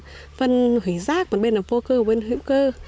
bên là phân hủy rác bên là phô cơ bên là hữu cơ